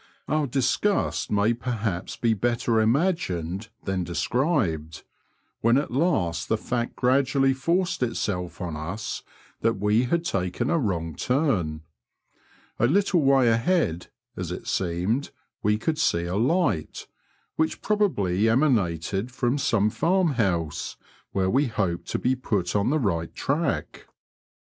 Our disgust may perhaps be better imagined than described, when at last the fact gradually forced itself on us that we had taken a wrong turn. A little way ahead, as it seemed, we could see a light, which probably emanated from some farm house, where we hoped to be put on the right track.